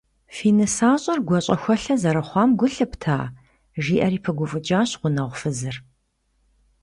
- Фи нысащӏэр гуащӏэхуэлъэ зэрыхъуам гу лъыпта? - жиӏэри пыгуфӏыкӏащ гъунэгъу фызыр.